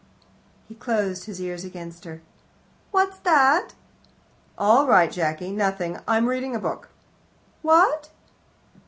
He closed his ears against her. "What's that?" "All right, Jacky, nothing; I'm reading a book." "What?"